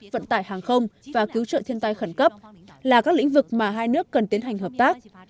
vận tải hàng không và cứu trợ thiên tai khẩn cấp là các lĩnh vực mà hai nước cần tiến hành hợp tác